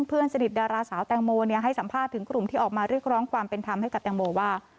เพื่อนสนิทดาราสาวแตงโมให้สัมภาษณ์ถึงกลุ่มที่ออกมาเรียกร้องความเป็นธรรมให้กับแตงโมว่า